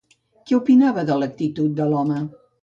Què opinava de l'actitud de l'home?